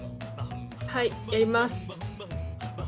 はい、やります。